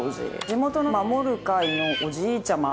地元の守る会のおじいちゃま